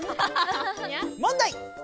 問題